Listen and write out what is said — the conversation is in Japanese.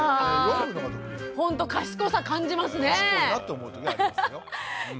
ほんと賢さ感じますね。